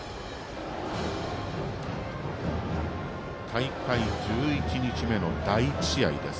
大会１１日目の第１試合です。